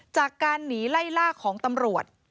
จากการหนีไล่ล่าของตำรวจ